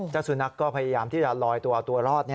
เจ้าสุนัขก็พยายามที่จะลอยตัวเอาตัวรอด